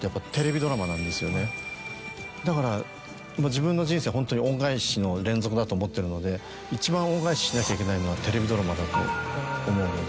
だから自分の人生ホントに恩返しの連続だと思ってるので一番恩返ししなきゃいけないのはテレビドラマだと思うので。